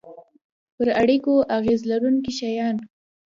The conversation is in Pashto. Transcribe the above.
پر اړیکو اغیز لرونکي شیان